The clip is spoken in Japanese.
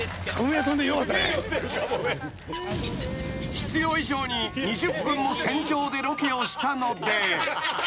［必要以上に２０分も船上でロケをしたので］